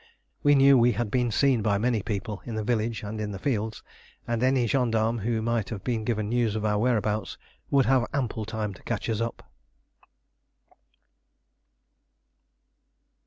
We knew we had been seen by many people in the village and in the fields, and any gendarmes who might have been given news of our whereabouts would have ample time to catch us up.